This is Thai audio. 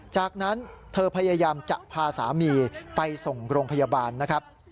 จากนั้นเธอพยายามจะพาสามีไปส่งโรงพยาบาลนะครับ